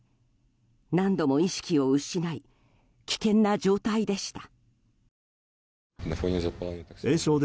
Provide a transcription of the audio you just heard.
何度も意識を失い危険な状態でした。